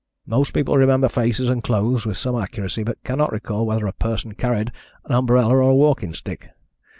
Most people remember faces and clothes with some accuracy, but cannot recall whether a person carried an umbrella or walking stick.